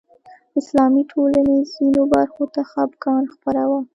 اسلامي ټولنې ځینو برخو ته خپګان خبره وه